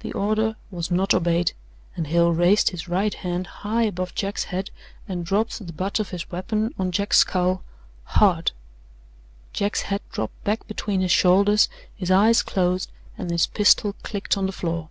The order was not obeyed, and Hale raised his right hand high above Jack's head and dropped the butt of his weapon on Jack's skull hard. Jack's head dropped back between his shoulders, his eyes closed and his pistol clicked on the floor.